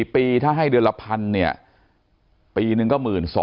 ปีถ้าให้เดือนละพันเนี่ยปีหนึ่งก็๑๒๐๐